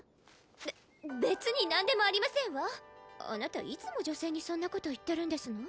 べ別に何でもありませんわあなたいつも女性にそんなこと言ってるんですの？